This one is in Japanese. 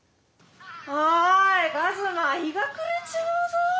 ・おい一馬日が暮れちまうぞ。